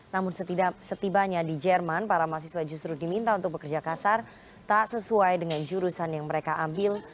namun setibanya di jerman para mahasiswa justru diminta untuk bekerja kasar tak sesuai dengan jurusan yang mereka ambil